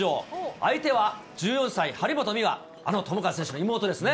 相手は１４歳、張本美和、あの智和選手の妹ですね。